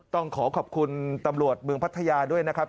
ต้องขอขอบคุณตำรวจเมืองพัทยาด้วยนะครับ